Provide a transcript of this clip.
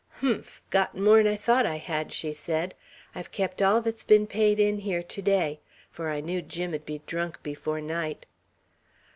"Humph! Got more'n I thought I had," she said. "I've kept all that's been paid in here to day, for I knew Jim'd be drunk before night."